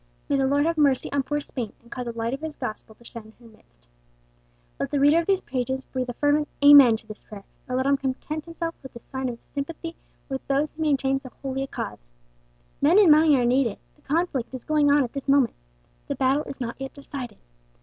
May the Lord have mercy on poor Spain, and cause the light of His gospel to shine in her midst!" Let the reader of these pages breathe a fervent "amen" to this prayer; nor let him content himself with this sign of sympathy with those who maintain so holy a cause. Men and money are needed; the conflict is going on at this moment, the battle is not yet decided.